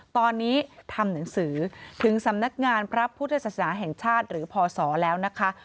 ตอนนี้ทำหนังสือถึงสำนักงานพระพุทธศาสนาแห่งชาติหรือพศแล้วนะคะ